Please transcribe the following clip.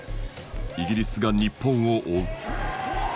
イギリスが日本を追う。